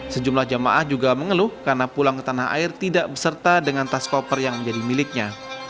sejumlah jamaah juga mengeluh karena pulang ke tanah air tidak beserta dengan tas koper yang menjadi miliknya